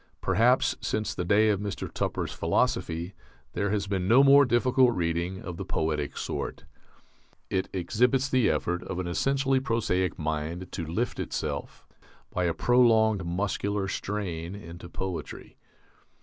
Perhaps since the day of Mr. Tupper's "Philosophy" there has been no more difficult reading of the poetic sort. It exhibits the effort of an essentially prosaic mind to lift itself, by a prolonged muscular strain, into poetry.